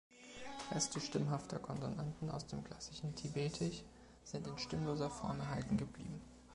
Reste stimmhafter Konsonanten aus dem klassischen Tibetisch sind in stimmloser Form erhalten geblieben.